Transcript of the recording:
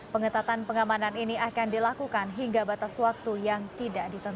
pengetatan pengamanan ini akan dilakukan hingga batas waktu yang tidak ditentukan